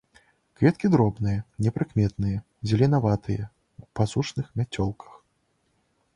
Кветкі дробныя, непрыкметныя, зеленаватыя, у пазушных мяцёлках.